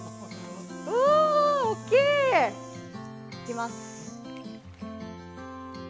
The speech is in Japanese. うわー！大きい！いきます！